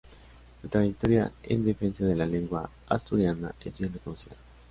Su trayectoria en defensa de la lengua asturiana es bien conocida.